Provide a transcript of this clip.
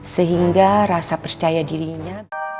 sehingga rasa percaya dirinya